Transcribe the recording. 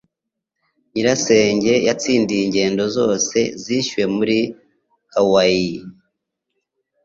Nyirasenge yatsindiye ingendo zose zishyuwe muri Hawaii.